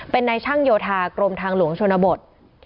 เป็นนายช่างโยธากรมทางหลวงชนบท